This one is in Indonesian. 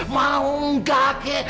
mau gak kek